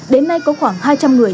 đến nay có khoảng hai trăm linh người